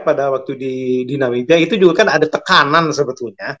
pada waktu di dinamiga itu juga kan ada tekanan sebetulnya